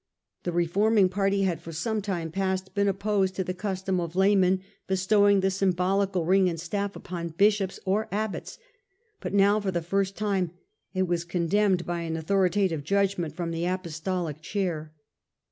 The reforming party had for some time past been opposed to the custom of laymen bestowing the symbolical ring and staff upon bishops or abbots ; but now, for the first time, it was con demned by an authoritative judgment from the Apostolic chair.